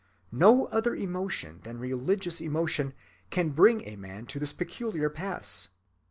No other emotion than religious emotion can bring a man to this peculiar pass.